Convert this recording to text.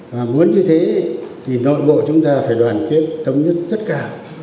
và muốn như thế thì nội bộ chúng ta phải đoàn kết thống nhất rất cao